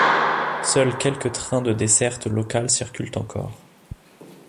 Seuls quelques trains de desserte locale circulent encore.